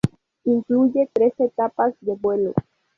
Incluye tres etapas de vuelo.